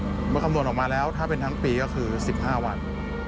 เมื่อคำนวณออกมาแล้วถ้าเป็นทั้งปีก็คือ๑๕วัน